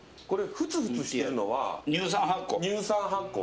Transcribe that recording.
ふつふつしてるのは乳酸発酵。